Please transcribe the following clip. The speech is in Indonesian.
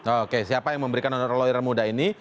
oke siapa yang memberikan honor lawyer muda ini